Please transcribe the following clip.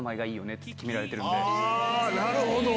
なるほど！